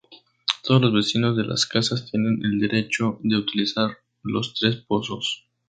Todos los vecinos de las casas tienen el derecho de utilizar los tres pozos.